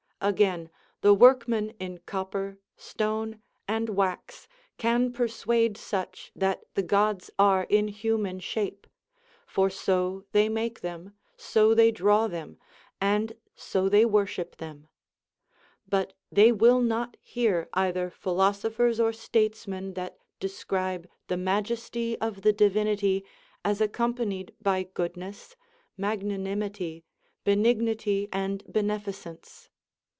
Again, the Avorkman in copper, stone, and Avax can per suade such that the Gods are in human shape ; for so they make them, so they draw them, and so they worship them. But they will not hear either philosophers or statesmen that describe the majesty of the Divinity as accompanied by goodness, magnanimity, benignity, and beneficence.